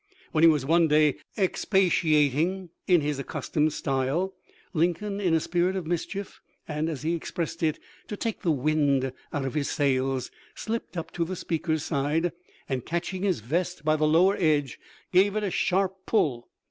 When he was one day expatiating in his accustomed style, Lin coln, in a spirit of mischief and, as he expressed it, " to take the wind out of his sails," slipped up to the speaker's side, and catching his vest by the lower edge gave it a sharp pull.